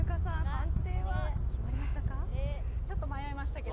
判定は決まりましたか？